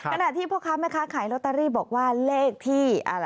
ขนาดที่พ่อครับแม่คะขายโรตารี่บอกว่าเลขที่